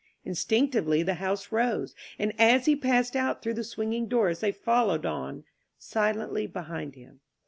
Instinctively, the house rose ; and as he passed out through the swing ing doors they followed on silently behind him.